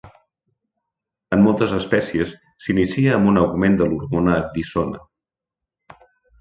En moltes espècies s'inicia amb un augment de l'hormona ecdisona.